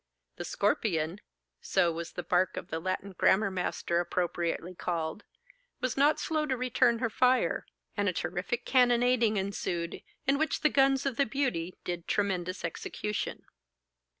'The Scorpion' (so was the bark of the Latin grammar master appropriately called) was not slow to return her fire; and a terrific cannonading ensued, in which the guns of 'The Beauty' did tremendous execution.